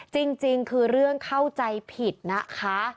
จริงคือเรื่องเข้าใจผิดนะคะ